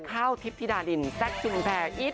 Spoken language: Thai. ข้าวทิพย์ธิดาลินแซคชุนแพร่อีท